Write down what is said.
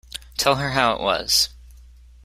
Tell her how it was.